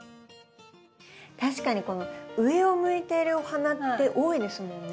確かにこの上を向いているお花って多いですもんね。